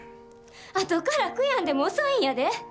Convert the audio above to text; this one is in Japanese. あとから悔やんでも遅いんやで。